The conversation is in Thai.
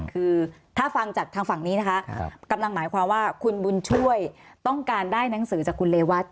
คือถ้าฟังจากทางฝั่งนี้นะคะกำลังหมายความว่าคุณบุญช่วยต้องการได้หนังสือจากคุณเรวัต